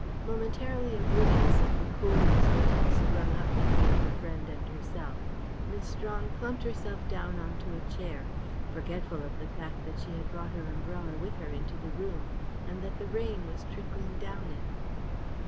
Momentarily oblivious of the coolness which had sprung up between her friend and herself, Miss Strong plumped herself down on to a chair, forgetful also of the fact that she had brought her umbrella with her into the room, and that the rain was trickling down it.